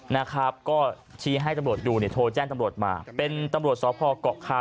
นะครับก็ชี้ให้ตำรวจดูเนี่ยโทรแจ้งตำรวจมาเป็นตำรวจสพเกาะคา